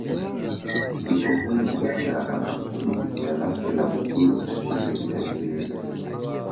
Ndipo huyo Mganga akamtunuku jina lake la Mwigulu na ndivyo jina lilivyozaliwa